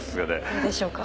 どうでしょうか？